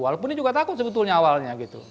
walaupun dia juga takut sebetulnya awalnya gitu